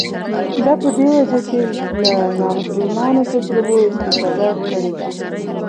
دا په دې وجه چې له نامسلمانو تجربو استفاده کړې ده.